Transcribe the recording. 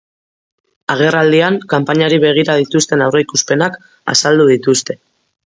Agerraldian, kanpainari begira dituzten aurreikuspenak azaldu dituzte.